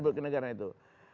sebelum ke negara itu